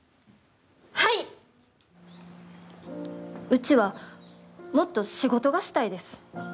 うちはもっと仕事がしたいです。